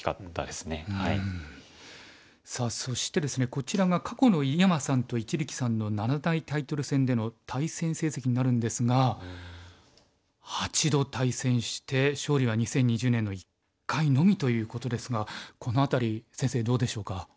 こちらが過去の井山さんと一力さんの七大タイトル戦での対戦成績になるんですが８度対戦して勝利は２０２０年の１回のみということですがこの辺り先生どうでしょうか？